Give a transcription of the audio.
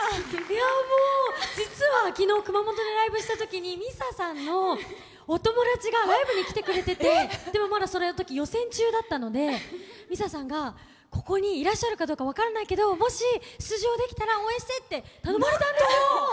もう実は、昨日熊本でライブしたときにみささんのお友達がライブに来てくれて、そのとき予選中だったのでみささんが、ここにいらっしゃることが分からないけど出場できたら応援して！って頼まれたんですよ。